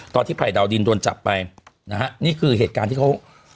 ไผ่ดาวดินโดนจับไปนะฮะนี่คือเหตุการณ์ที่เขา